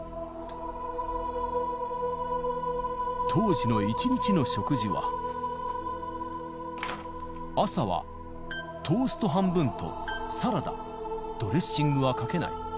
当時の一日の食事は、朝はトースト半分とサラダ、ドレッシングはかけない。